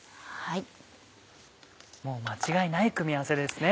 もう間違いない組み合わせですね。